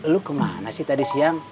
lu kemana sih tadi siang